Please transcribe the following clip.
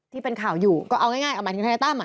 ที่เป็นข่าวอยู่ก็เอาง่ายเอาหมายถึงทนายตั้มอ่ะ